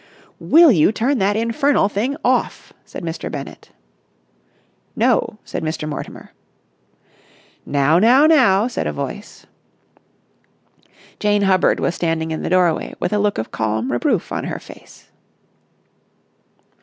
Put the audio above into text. "Will you turn that infernal thing off!" said Mr. Bennett. "No!" said Mr. Mortimer. "Now, now, now!" said a voice. Jane Hubbard was standing in the doorway with a look of calm reproof on her face.